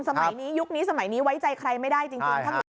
สมัยนี้ยุคนี้สมัยนี้ไว้ใจใครไม่ได้จริง